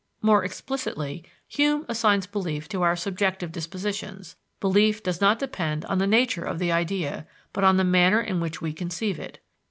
More explicitly, Hume assigns belief to our subjective dispositions: Belief does not depend on the nature of the idea, but on the manner in which we conceive it.